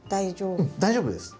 うん大丈夫です。